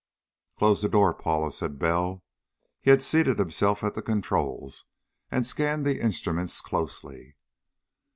"Close the door, Paula," said Bell. He had seated himself at the controls, and scanned the instruments closely.